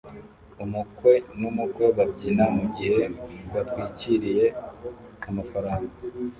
Umukwe n'umukwe babyina mugihe batwikiriye amafaranga